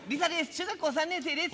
中学校３年生です。